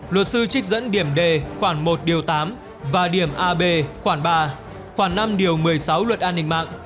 lột sư trích dẫn điểm d khoảng một điều tám và điểm ab khoảng ba khoảng năm điều một mươi sáu luật an ninh mạng